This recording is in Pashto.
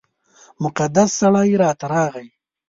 مقدس سړی راته راغی.